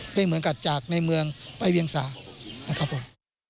ไม่เหมือนกับจากในเมืองไปเวียงสานะครับผม